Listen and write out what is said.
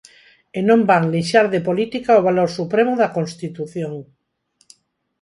E non van lixar de política o valor supremo da Constitución.